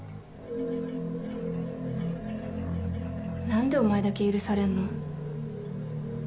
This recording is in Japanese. なんでお前だけ許されんの？